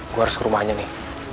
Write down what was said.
gue harus ke rumahnya nih